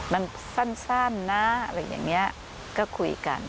มันสั้นนะอะไรอย่างนี้ก็คุยกัน